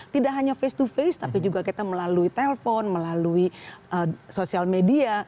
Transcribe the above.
tidak hanya face to face tapi juga kita melalui telpon melalui sosial media